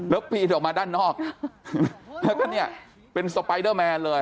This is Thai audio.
แล้วปีนออกมาด้านนอกแล้วก็เนี่ยเป็นสไปเดอร์แมนเลย